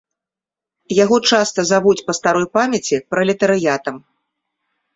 Яго часта завуць па старой памяці пралетарыятам.